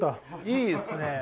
いいっすね。